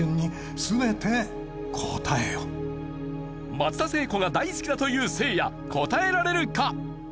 松田聖子が大好きだというせいや答えられるか？